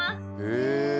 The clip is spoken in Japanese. へえ。